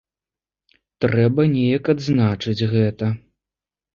Трэба неяк адзначыць гэта.